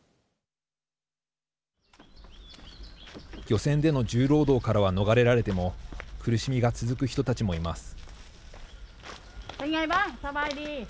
漁船での重労働からは逃れられても苦しみが続く人たちもいます。